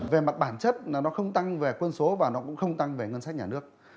về mặt bản chất là nó không tăng về quân số và nó cũng không tăng về ngân sách nhà nước